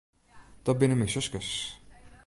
Dat binne myn suskes.